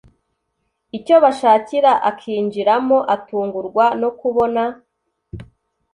icyo bashakira akinjiramo atungurwa nokubona….